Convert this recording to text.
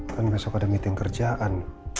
kan besok ada meeting kerjaan